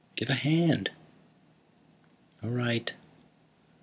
"Give a hand!" "All right."